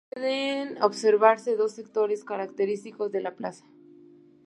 Pueden observarse dos sectores característicos de la plaza.